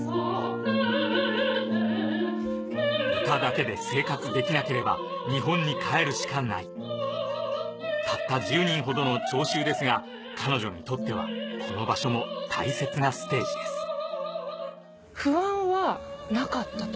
歌だけで生活できなければ日本に帰るしかないたった１０人ほどの聴衆ですが彼女にとってはこの場所も大切なステージです